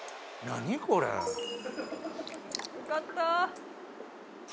何これよかった